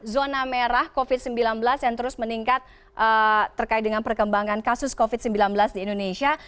zona merah covid sembilan belas yang terus meningkat terkait dengan perkembangan kasus covid sembilan belas di indonesia